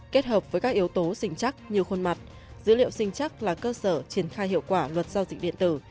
kết hợp với các yếu tố sinh chắc như khuôn mặt dữ liệu sinh chắc là cơ sở triển khai hiệu quả luật giao dịch điện tử